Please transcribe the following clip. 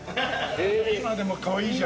今でもかわいいじゃない？